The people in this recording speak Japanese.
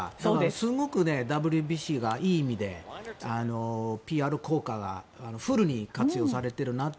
すごくＷＢＣがいい意味でＰＲ効果がフルに活用されてるなと